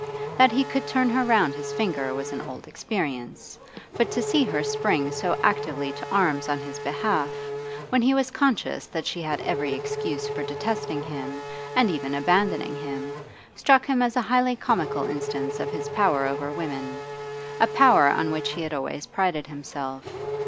That he could turn her round his finger was an old experience, but to see her spring so actively to arms on his behalf, when he was conscious that she had every excuse for detesting him, and even abandoning him, struck him as a highly comical instance of his power over women, a power on which he had always prided himself.